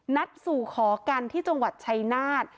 นัดสู่ขอกันที่จังหวัดชัยนาธ